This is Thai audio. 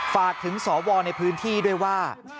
ฝากถึงสวในพื้นที่ด้วยว่า